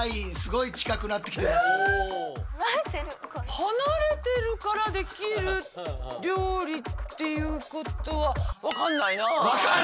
離れてるからできる料理っていうことはわかんない！